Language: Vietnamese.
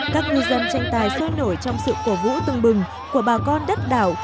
các ngư dân tranh tài sôi nổi trong sự cổ vũ tưng bừng của bà con đất đảo